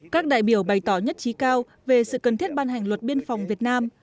các đại biểu bày tỏ nhất trí cao về sự cần thiết ban hành luật biên phòng việt nam